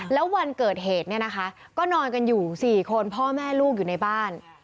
แล้ววันเกิดเหตุเนี่ยนะคะก็นอนกันอยู่๔คนพ่อแม่ลูกอยู่ในบ้าน